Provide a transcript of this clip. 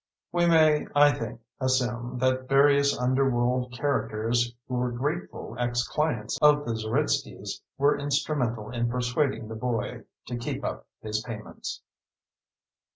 We may, I think, assume that various underworld characters who were grateful ex clients of the Zeritskys were instrumental in persuading the boy to keep up his payments.